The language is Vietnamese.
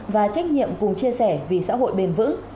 và trách nhiệm cùng chia sẻ vì xã hội bền vững